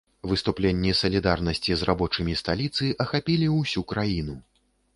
Выступленні салідарнасці з рабочымі сталіцы ахапілі ўсю краіну.